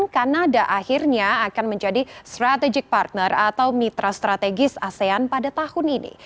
kanada akhirnya akan menjadi strategic partner atau mitra strategis asean pada tahun ini